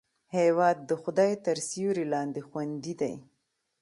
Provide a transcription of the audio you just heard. هېواد د خدای تر سیوري لاندې خوندي دی.